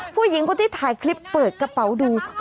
ผู้หญิงคนที่ถ่ายคลิปเปิดกระเป๋าดู